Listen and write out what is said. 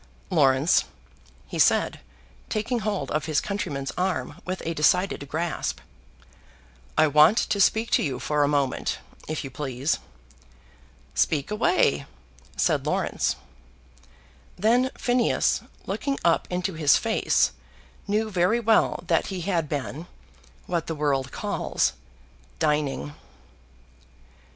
"Laurence," he said, taking hold of his countryman's arm with a decided grasp, "I want to speak to you for a moment, if you please." "Speak away," said Laurence. Then Phineas, looking up into his face, knew very well that he had been what the world calls, dining.